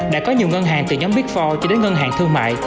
đã có nhiều ngân hàng từ nhóm big bốn cho đến ngân hàng thương mại